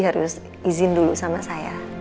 harus izin dulu sama saya